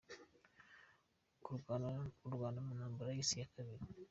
kurwana mu ntambara y’isi ya kabiri.